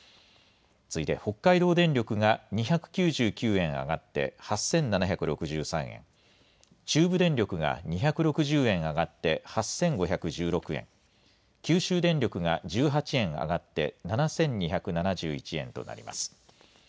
次いで北海道電力が２９９円上がって８７６３円、中部電力が２６０円上がって８５１６円、九州電力が１８円上がって７２７１円となります。